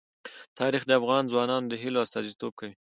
تاریخ د افغان ځوانانو د هیلو استازیتوب کوي.